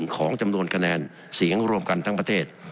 ของจำนวนคะแนนเสียงรวมกันทั้งประเทศ